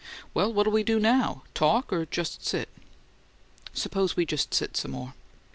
Well, what'll we do NOW? Talk, or just sit?" "Suppose we just sit some more."